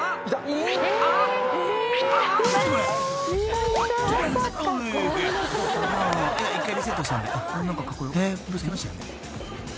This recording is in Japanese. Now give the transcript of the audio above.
えっぶつけましたよね？］